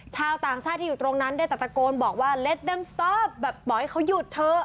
ชาวต่างชาติที่อยู่ตรงนั้นได้ตัดตะโกนบอกว่าแบบบอกให้เขาหยุดเถอะ